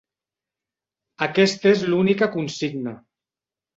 Aquesta és l'única consigna.